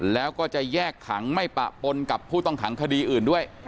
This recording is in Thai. แล้วก็จะแยกขังไม่ปะปนกับผู้ต้องขังคดีอื่นด้วย